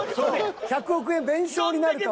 １００億円弁償になるかもしれん。